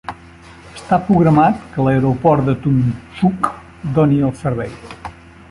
Està programat que l'aeroport de Tumxuk doni el servei.